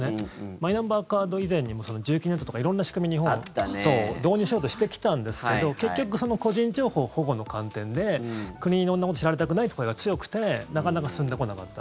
マイナンバーカード以前にも住基ネットとか色んな仕組み、日本は導入しようとしてきたんですけど結局、個人情報保護の観点で国に色んなことを知られたくないって声が強くてなかなか進んでこなかった。